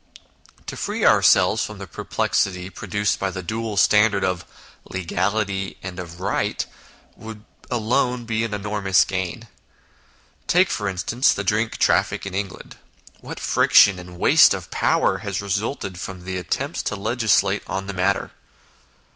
To free ourselves from the perplexity pro duced by the dual standard of legality and of right, would alone be an enormous gain. Take, for instance, the drink traffic in England ; what friction and waste of power has resulted from the attempts to legislate on the matter.